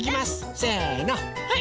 せのはい！